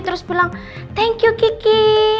terus pulang thank you kiki